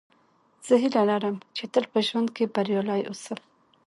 زه هیله لرم، چي تل په ژوند کښي بریالی اوسم.